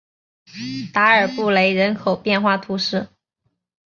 达尔布雷人口变化图示